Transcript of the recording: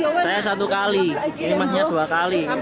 mas ini masih antri mas saya satu kali ini masnya dua kali